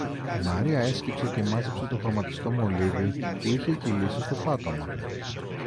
Η Μαρία έσκυψε και μάζεψε το χρωματιστό μολύβι που είχε κυλήσει στο πάτωμα